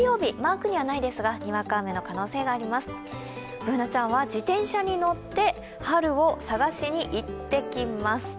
Ｂｏｏｎａちゃんは自転車に乗って春を探しに行ってきますと。